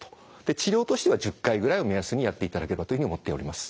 治療としては１０回ぐらいを目安にやっていただければというふうに思っております。